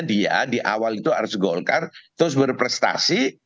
dia di awal itu harus golkar terus berprestasi